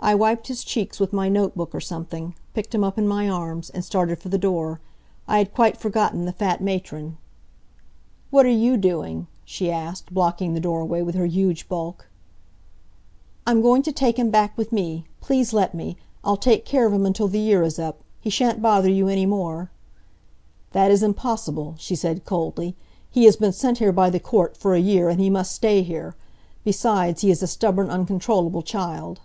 I wiped his cheeks with my notebook or something, picked him up in my arms, and started for the door. I had quite forgotten the fat matron. "What are you doing?" she asked, blocking the doorway with her huge bulk. "I'm going to take him back with me. Please let me! I'll take care of him until the year is up. He shan't bother you any more." "That is impossible," she said, coldly. "He has been sent here by the court, for a year, and he must stay here. Besides, he is a stubborn, uncontrollable child."